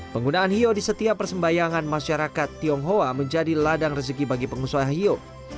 penggunaan hiyo di setiap persembayangan masyarakat tionghoa menjadi ladang rezeki bagi pengusaha hiyo